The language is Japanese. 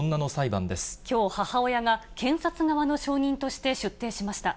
きょう、母親が検察側の証人として出廷しました。